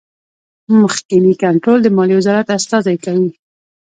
مخکینی کنټرول د مالیې وزارت استازی کوي.